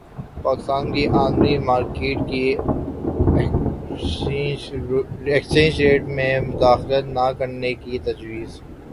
پاکستان کو عالمی مارکیٹ کے ایکسچینج ریٹ میں مداخلت نہ کرنے کی تجویز